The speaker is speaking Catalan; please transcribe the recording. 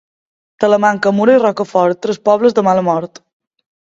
Talamanca, Mura i Rocafort, tres pobles de mala mort.